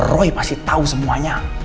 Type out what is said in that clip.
roy pasti tau semuanya